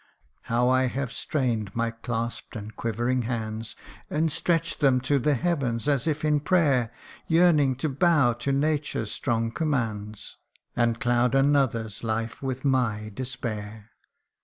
How I have strain'd my clasp'd and quivering hands, And stretch 'd them to the heavens as if in prayer ; Yearning to bow to Nature's strong commands, And cloud another's life with my despair